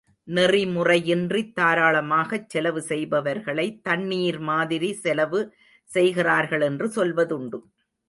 நெறிமுறையின்றித் தாராளமாகச் செலவு செய்பவர்களை தண்ணீர் மாதிரி செலவு செய்கிறார்கள் என்று சொல்வதுண்டு.